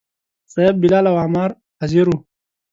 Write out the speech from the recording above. صیب، بلال او عمار حاضر وو.